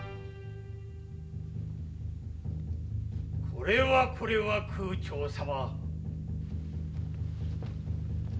これはこれは空澄様。